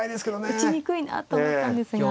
打ちにくいなと思ったんですが。